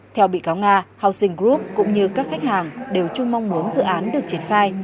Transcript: theo bị cáo nga học sinh group cũng như các khách hàng đều chung mong muốn dự án được triển khai